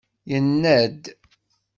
Yenna-d.